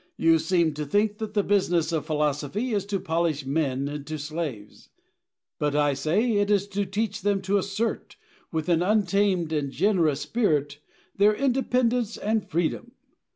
You seem to think that the business of philosophy is to polish men into slaves; but I say, it is to teach them to assert, with an untamed and generous spirit, their independence and freedom.